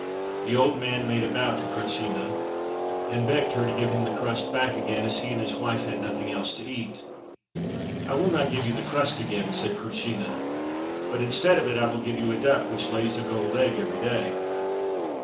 The old man made a bow to Krutschina, and begged her to give him the crust back again, as he and his wife had nothing else to eat. "I will not give you the crust again," said Krutschina, "but instead of it I will give you a duck which lays a gold egg every day."